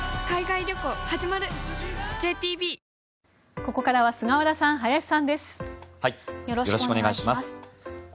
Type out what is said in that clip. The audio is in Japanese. ここからは菅原さん、林さんです。